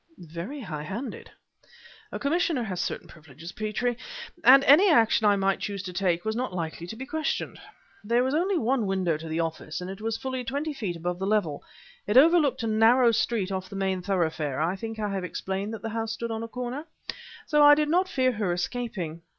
"Very high handed?" "A commissioner has certain privileges, Petrie, and any action I might choose to take was not likely to be questioned. There was only one window to the office, and it was fully twenty feet above the level; it overlooked a narrow street off the main thoroughfare (I think I have explained that the house stood on a corner) so I did not fear her escaping.